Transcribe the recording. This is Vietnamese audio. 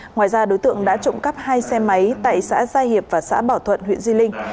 ngoài ra đối tượng đã trộm cắp hai xe máy tại xã gia hiệp và xã bảo thuận huyện di linh